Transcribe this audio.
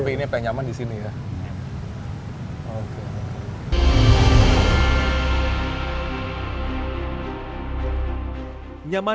tapi ini yang paling nyaman di sini ya